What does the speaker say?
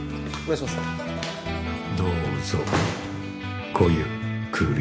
どうぞごゆっくり。